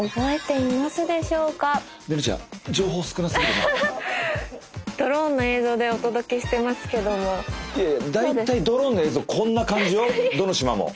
いやいや大体ドローンの映像こんな感じよどの島も。